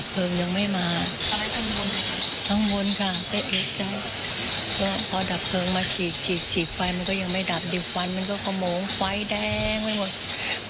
เผลอมาฉีกฉีกไฟไม่ดับดิ่งฟันมันก็ขมงไฟต์แดงแล้วหมด